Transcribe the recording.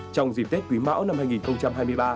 trong dịp tết quý mão năm hai nghìn hai mươi ba